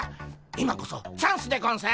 今こそチャンスでゴンス。